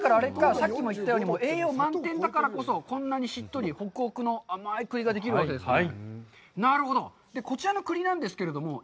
さっきも言ったように、栄養満点だからこそ、こんなにしっとり、ホクホクの甘い栗ができるわけですね。